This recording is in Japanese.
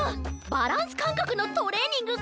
バランスかんかくのトレーニングか！